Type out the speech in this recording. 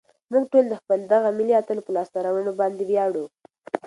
موږ ټول د خپل دغه ملي اتل په لاسته راوړنو باندې ویاړو.